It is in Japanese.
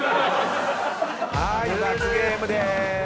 はーい罰ゲームでーす。